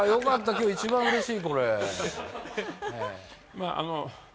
今日一番うれしい。